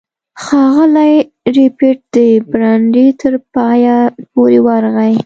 ښاغلی ربیټ د برنډې تر پایه پورې ورغی